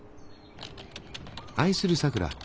「愛するさくら。